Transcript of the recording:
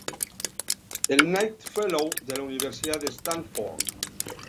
Es Knight Fellow de la Universidad de Stanford.